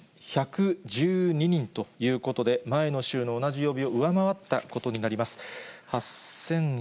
８１１２人ということで、前の週の同じ曜日を上回ったことになります。